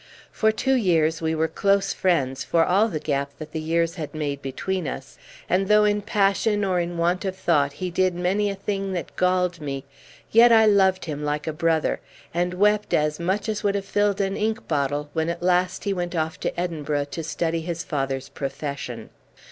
For two years we were close friends, for all the gap that the years had made between us, and though in passion or in want of thought he did many a thing that galled me, yet I loved him like a brother, and wept as much as would have filled an ink bottle when at last he went off to Edinburgh to study his father's profession.